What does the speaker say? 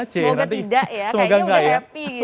semoga tidak ya kayaknya udah happy ya